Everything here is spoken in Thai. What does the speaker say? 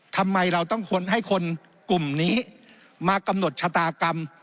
ทำไมเราต้องให้คนกลุ่มนี้มากำหนดชะตากรรม